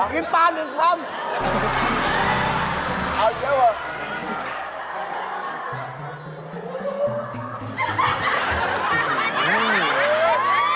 กินปลาหนึ่งคำ